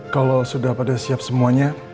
kalau sudah pada siap semuanya